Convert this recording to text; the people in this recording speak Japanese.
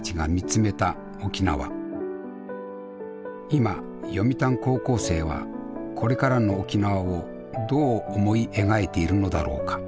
今読谷高校生はこれからの沖縄をどう思い描いているのだろうか。